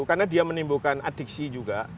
karena dia menimbulkan adiksi juga